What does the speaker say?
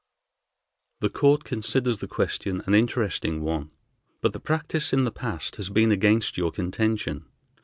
"The court considers the question an interesting one, but the practice in the past has been against your contention.